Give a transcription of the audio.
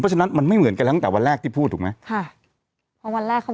เพราะฉะนั้นมันไม่เหมือนกันตั้งแต่วันแรกที่พูดถูกมั้ย